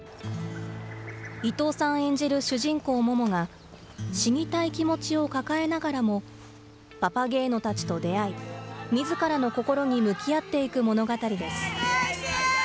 伊藤さん演じる主人公、ももが、死にたい気持ちを抱えながらも、パパゲーノたちと出会い、みずからの心に向き合っていく物語です。